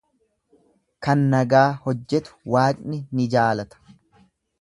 Kan nagaa hojjetu Waaqni ni jaalata.